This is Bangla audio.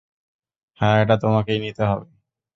হ্যাঁ, এটা তোমাকেই নিতে হবে।